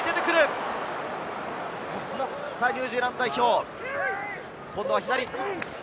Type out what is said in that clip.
ニュージーランド代表、今度は左。